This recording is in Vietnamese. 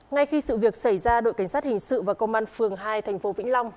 ngay khi sự việc xảy ra đội cảnh sát hình sự và công an phường hai thành phố vĩnh long